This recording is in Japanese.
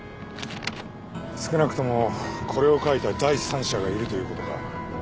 少なくともこれを書いた第三者がいるという事か。